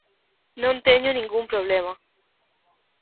Non teño ningún problema.